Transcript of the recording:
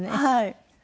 はい。